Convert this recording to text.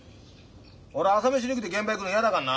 俺朝飯抜きで現場行くの嫌だかんな。